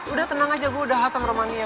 udah tenang aja gue udah hateng romania